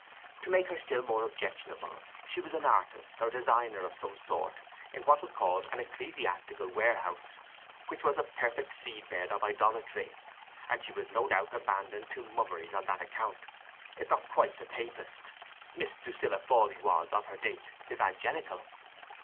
To make her still more objectionable, she was an artist or designer of some sort in what was called an ecclesiastical warehouse, which was a perfect seed bed of idolatry, and she was no doubt abandoned to mummeries on that account—if not quite a Papist. (Miss Drusilla Fawley was of her date, Evangelical.)